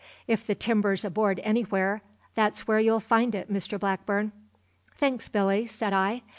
If the timber's aboard anywhere, that's where you'll find it, Mr Blackburn." "Thanks, Billy," said I.